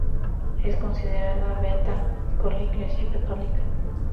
Es considerada beata por la Iglesia católica.